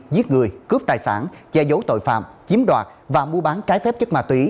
giết người cướp tài sản che giấu tội phạm chiếm đoạt và mua bán trái phép chất ma túy